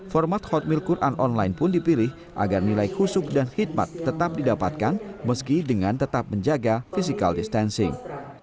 format khotmil quran online pun dipilih agar nilai husuk dan khidmat tetap didapatkan meski dengan tetap menjaga physical distancing